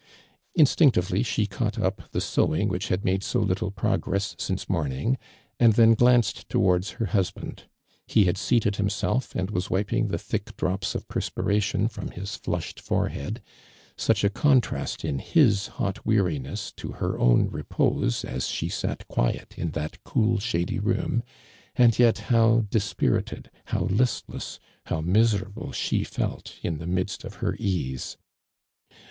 Instinctively she caught up the sewing which had made so little progress since morning, and then glanced towards her husband. He had seated himself, and was wipmg the thick drops of perspiration from his flushed forehead, such a contrast in his hot weariness to her own repose as she sat quiet in that cool shady room, and yet how dispirited, how listless, how mis erable she felt in the midst of lier easi